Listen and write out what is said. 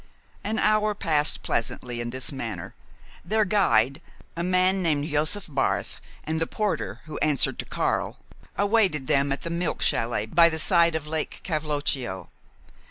An hour passed pleasantly in this manner. Their guide, a man named Josef Barth, and the porter, who answered to "Karl," awaited them at the milk chalet by the side of Lake Cavloccio.